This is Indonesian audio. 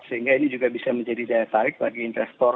sehingga ini juga bisa menjadi daya tarik bagi investor